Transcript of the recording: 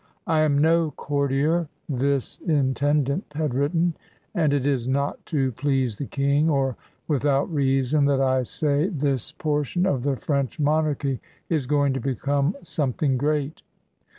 *^ I am no courtier,'' this intendant had written, *^and it is not to please the King or without reason that I say this portion of the French monarchy is going to become some thing great.